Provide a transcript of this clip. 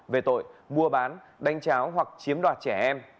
về tội mua bán đánh cháo hoặc chiếm đoạt trẻ em